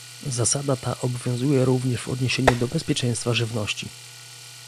Zasada ta obowiązuje również w odniesieniu do bezpieczeństwa żywności